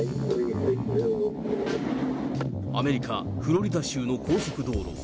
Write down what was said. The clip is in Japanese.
アメリカ・フロリダ州の高速道路。